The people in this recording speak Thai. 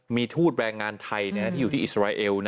มีทูตแรงงานไทยที่อยู่ที่อิสราเอล